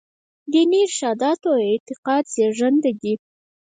دیني ارشاداتو او اعتقاد زېږنده دي.